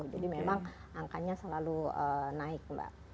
jadi memang angkanya selalu naik mbak